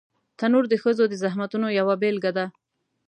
تنور د ښځو د زحمتونو یوه بېلګه ده